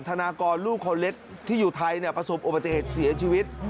นากรลูกคนเล็กที่อยู่ไทยประสบอุบัติเหตุเสียชีวิต